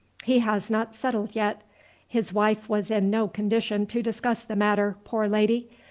"He has not settled yet. His wife was in no condition to discuss the matter, poor lady!